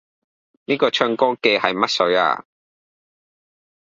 呢個唱歌嘅乜水呀？